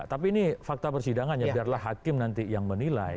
tapi ini fakta persidangan ya biarlah hakim nanti yang menilai